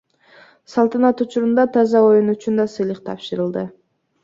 Салтанат учурунда таза оюн үчүн да сыйлык тапшырылды.